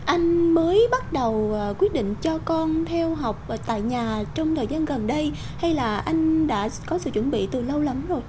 anh mới bắt đầu quyết định cho con theo học tại nhà trong thời gian gần đây hay là anh đã có sự chuẩn bị từ lâu lắm rồi